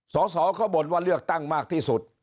สอสอเขาบ่นว่าเลือกตั้งมากที่สุด